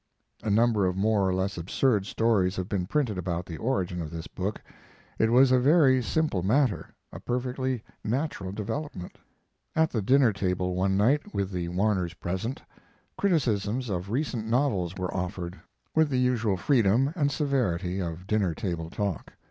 A number of more or less absurd stories have been printed about the origin of this book. It was a very simple matter, a perfectly natural development. At the dinner table one night, with the Warners present, criticisms of recent novels were offered, with the usual freedom and severity of dinner table talk.